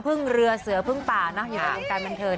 แต่ว่าเฟิร์นเขาก็เรียก